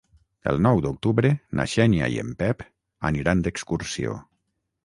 El nou d'octubre na Xènia i en Pep aniran d'excursió.